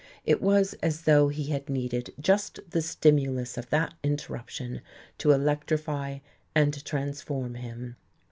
It was as though he had needed just the stimulus of that interruption to electrify and transform him.